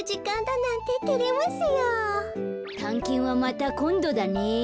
たんけんはまたこんどだね。